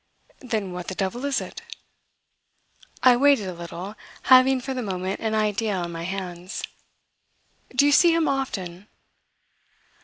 "Then what the devil is it?" I waited a little, having for the moment an idea on my hands. "Do you see him often?"